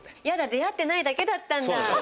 出会ってないだけだったんだ！